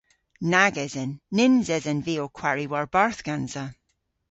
Nag esen. Nyns esen vy ow kwari war-barth gansa.